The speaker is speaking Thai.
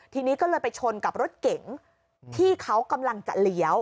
ทีนี้ก็เลยไปชนกับรถเก๋งที่เขากำลังจะเลี้ยว